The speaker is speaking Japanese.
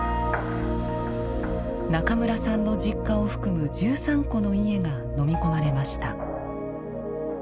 中村さんの実家を含む１３戸の家がのみ込まれました。